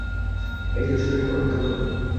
কিন্তু এই ছেলের শরীরের অনেক হাড় ভাংগা।